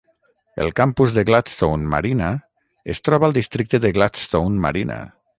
El campus de Gladstone Marina es troba al districte de Gladstone Marina.